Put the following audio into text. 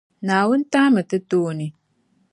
Naawuni tahimi ti tooni.